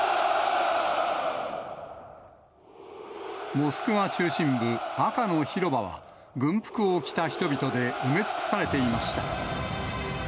モスクワ中心部、赤の広場は軍服を着た人々で埋め尽くされていました。